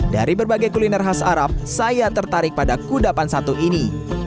dari berbagai kuliner khas arab saya tertarik pada kudapan satu ini